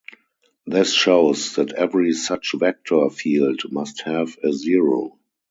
This shows that every such vector field must have a zero.